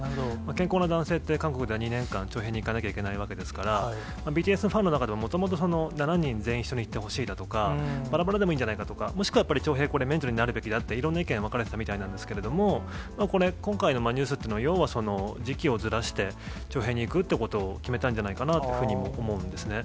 健康な男性って韓国では２年間、徴兵に行かなきゃいけないわけですから、ＢＴＳのファンの中でも、もともと７人全員一緒に行ってほしいだとか、ばらばらでもいいんじゃないかとか、もしくは徴兵免除になるべきだって、いろいろな意見、分かれてたみたいなんですけど、これ、今回のニュースっていうのはようは、時期をずらして徴兵に行くっていうことを決めたんじゃないかなと思うんですね。